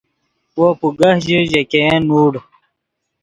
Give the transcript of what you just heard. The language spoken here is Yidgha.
وو پوگہ ژے، ژے ګین نوڑ